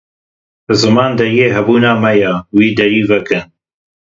Ziman deriyê hebûna me ye, wî deriyî vekin.